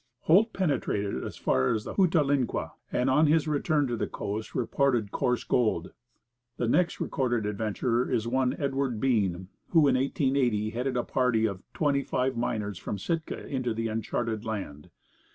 Holt penetrated as far as the Hootalinqua, and on his return to the coast reported coarse gold. The next recorded adventurer is one Edward Bean, who in 1880 headed a party of twenty five miners from Sitka into the uncharted land.